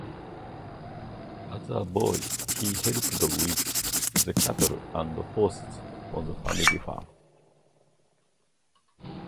As a boy he helped with the cattle and horses on the family farm.